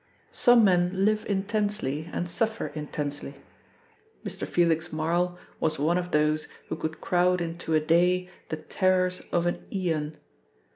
Some men live intensely and suffer intensely, Mr. Felix Marl was one of those who could crowd into a day the terrors of an aeon.